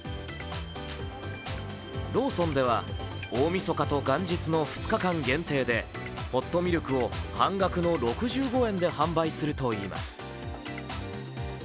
ローソンでは大みそかと元日の２日間限定でホットミルクを半額の６５円で販売するといいます。